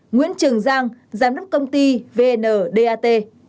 bảy nguyễn trường giang giám đốc công ty vndat